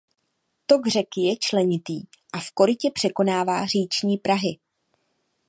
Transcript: Tok řeky je členitý a v korytě překonává říční prahy.